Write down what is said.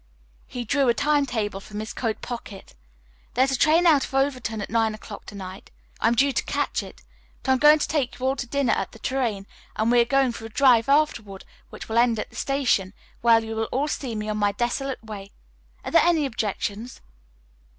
He drew a time table from his coat pocket. "There is a train out of Overton at nine o'clock to night. I'm due to catch it. But I'm going to take you all to dinner at the Tourraine and we are going for a drive afterward which will end at the station, where you will all see me on my desolate way. Are there any objections?"